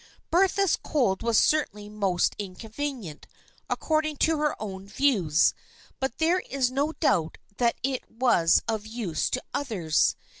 Bertha's cold was certainly most inconvenient, according to her own views, but there is no doubt that it was of use to others.